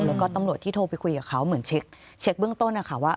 แล้วก็ตำรวจที่โทรไปคุยกับเขาเหมือนเช็คเบื้องต้นนะคะว่า